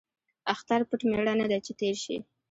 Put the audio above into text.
ـ اختر پټ ميړه نه دى ،چې تېر شي.